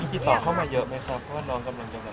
ติดต่อเข้ามาเยอะไหมครับเพราะว่าน้องกำลังจะแบบ